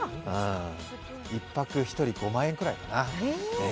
一泊１人５万円ぐらいかな。